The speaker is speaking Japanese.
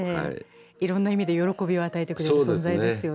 いろんな意味で喜びを与えてくれる存在ですよね。